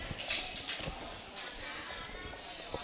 อันนี้ก็จะเป็นอันนที่สุดท้าย